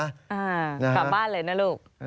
กลับบ้านเลยนะลูก